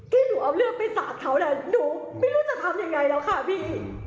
ที่หนูเอาเรื่องไปสาดเขาน่ะหนูไม่รู้จะทำยังไงแล้วค่ะพี่